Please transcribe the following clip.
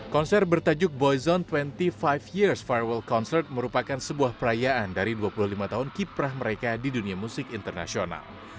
konser bertajuk boyzon dua puluh lima years farewal concert merupakan sebuah perayaan dari dua puluh lima tahun kiprah mereka di dunia musik internasional